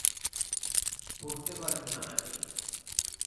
পড়তে পারেন না নাকি?